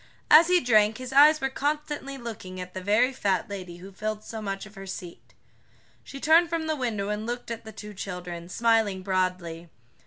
As he drank his eyes were constantly looking at the very fat lady who filled so much of her seat. She turned from the window and looked at the two children, smiling broadly.